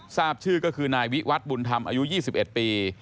ทราบชื่อก็คือนายวิวัฒน์บุญธรรมอายุ๒๑ปี